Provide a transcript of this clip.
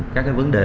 các cái vấn đề